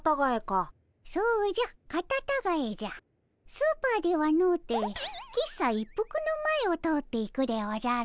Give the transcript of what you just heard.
スーパーではのうて喫茶一服の前を通って行くでおじゃる。